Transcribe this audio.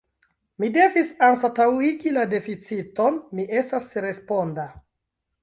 Mi devis anstataŭigi la deficiton: mi estas responda.